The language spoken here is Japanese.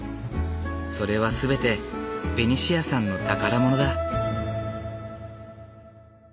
それは全てベニシアさんの宝物だ。